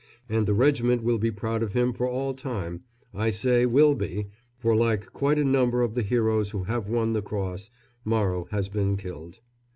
And the regiment will be proud of him for all time I say will be, for like quite a number of the heroes who have won the Cross Morrow has been killed.